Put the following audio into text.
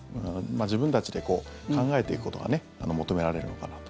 自分たちで考えていくことが求められるのかなと。